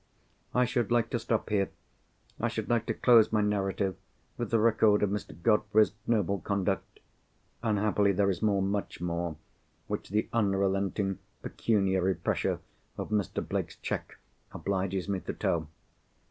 I should like to stop here—I should like to close my narrative with the record of Mr. Godfrey's noble conduct. Unhappily there is more, much more, which the unrelenting pecuniary pressure of Mr. Blake's cheque obliges me to tell.